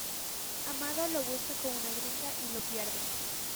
Amado lo busca con una gringa y lo pierde.